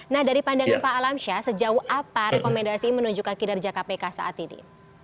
nah dari pandangan pak alamsyah sejauh apa rekomendasi menunjukkan kinerja kpk saat ini